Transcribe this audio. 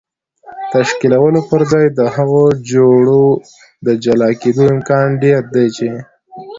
تشکیلولو پر ځای د هغو جوړو د جلا کېدو امکان ډېر دی چې